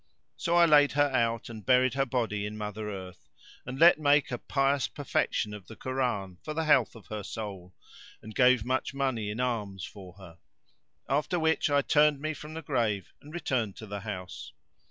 So I laid her out and buried her body in mother earth and let make a pious perlection of the Koran[FN#552] for the health of her soul, and gave much money in alms for her; after which I turned me from the grave and returned to the house.